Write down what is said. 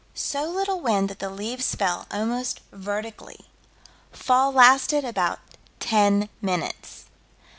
So little wind that the leaves fell almost vertically. Fall lasted about ten minutes.